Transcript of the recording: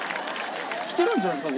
きてるんじゃないですか？